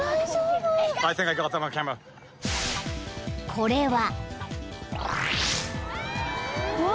［これは］